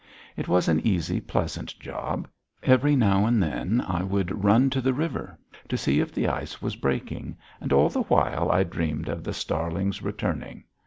It was an easy, pleasant job. Every now and then I would run to the river to see if the ice was breaking and all the while I dreamed of the starlings returning.